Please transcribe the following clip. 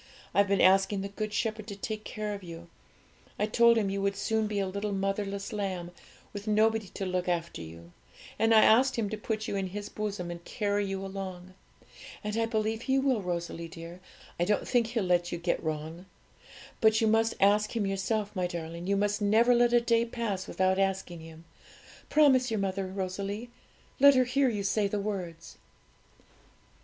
I've been asking the Good Shepherd to take care of you; I told Him you would soon be a little motherless lamb, with nobody to look after you, and I asked Him to put you in His bosom and carry you along. And I believe He will, Rosalie dear; I don't think He'll let you get wrong. But you must ask Him yourself, my darling; you must never let a day pass without asking Him: promise your mother, Rosalie let her hear you say the words.'